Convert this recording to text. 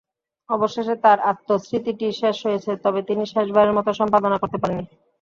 অবশেষে তাঁর আত্মস্মৃতিটি শেষ হয়েছে, তবে তিনি শেষবারের মতো সম্পাদনা করতে পারেননি।